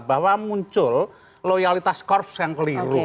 bahwa muncul loyalitas korps yang keliru